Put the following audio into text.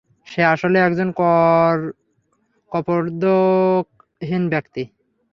সে আসলে একজন কপর্দকহীন ব্যক্তি।